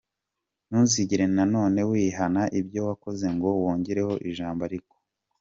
Ntuzigera na none wihana ibyo wakoze ngo wongereho ijambo ‘ariko’.